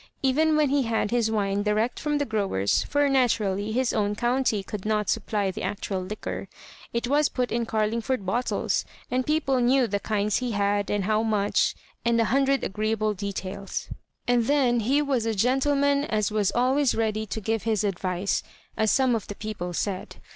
Even when he had his wine direct from the growers (for naturally his own county could not supply the actual liquor), it was put in Car lingford bottles, and people knew the kinds he had, and how much, and a hundred agreeable details. And then, "he was a gentleman as was always ready to give his advice," as some of the people said.